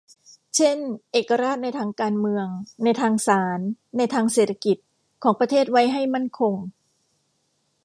เช่น เอกราชในทางการเมือง ในทางศาล ในทางเศรษฐกิจ ของประเทศไว้ให้มั่นคง